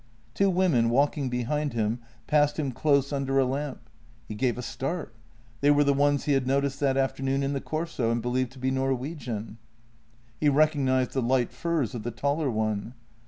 Two women, walking behind him, passed him close under a lamp. He gave a start : they were the ones he had noticed that afternoon in the Corso and believed to be Norwegian. He rec ognized the light furs of the taller one.